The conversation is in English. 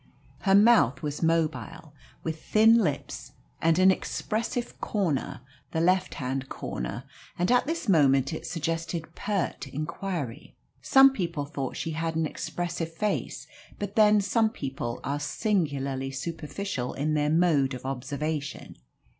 Her mouth was mobile, with thin lips and an expressive corner the left hand corner and at this moment it suggested pert inquiry. Some people thought she had an expressive face, but then some people are singularly superficial in their mode of observation.